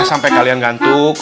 sampai kalian ngantuk